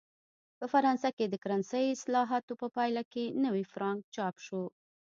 په فرانسه کې د کرنسۍ اصلاحاتو په پایله کې نوي فرانک چاپ شول.